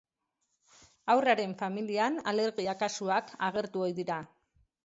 Haurraren familian alergia-kasuak agertu ohi dira.